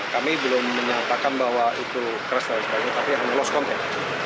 kami belum menyatakan bahwa itu keras dan sebagainya tapi hanya lost contact